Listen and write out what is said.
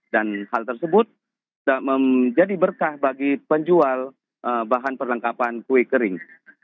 dan hal tersebut menjadi berkah bagi penjual bahan perlengkapan kue kering